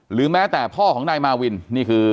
หรือแม้แต่พ่อของนายมาวินนี่คือ